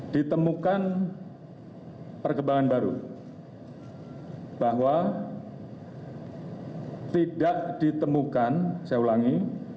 ditemukan perkembangan baru bahwa tidak ditemukan saya ulangi